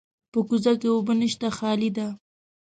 په کوزه کې اوبه نشته، خالي ده.